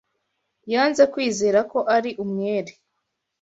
Yanze kwizera ko ari umwere.